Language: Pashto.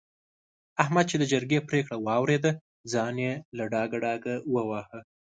احمد چې د جرګې پرېکړه واورېده؛ ځان يې له ډاګه ډاګه وواهه.